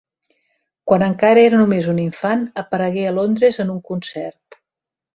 Quan encara era només un infant aparegué a Londres en un concert.